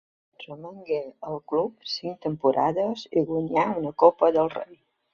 Romangué al club cinc temporades i guanyà una Copa del Rei.